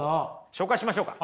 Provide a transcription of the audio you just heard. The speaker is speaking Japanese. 紹介しましょうか？